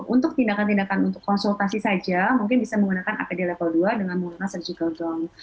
untuk tindakan tindakan untuk konsultasi saja mungkin bisa menggunakan apd level dua dengan menggunakan surgical ground